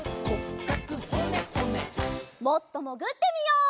もっともぐってみよう。